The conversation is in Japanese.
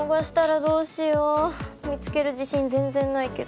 見つける自信全然ないけど。